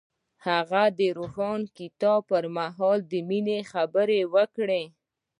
هغه د روښانه کتاب پر مهال د مینې خبرې وکړې.